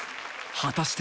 果たして？